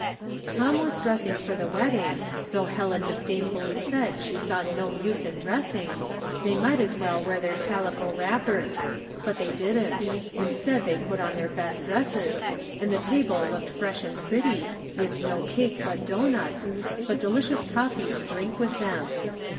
Tom was dressing for the wedding, though Helen disdainfully said she saw no use in diessing — they might as well wear their calico wrappers; but they didn't — instead they put on their best dresses, and the table looked fresh and pretty, with no cake bu'i: doughnuts, but de licious coffee to drink with them.